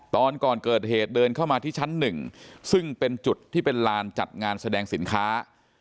ตอนก่อนเกิดเหตุเดินเข้ามาที่ชั้นหนึ่งซึ่งเป็นจุดที่เป็นลานจัดงานแสดงสินค้า